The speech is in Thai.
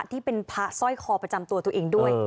ที่เป็นพระสร้อยคอประจำตัวตัวเองด้วย